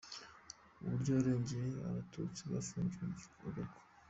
Uburyo yarengeye Abatutsi bafungiwe i Gako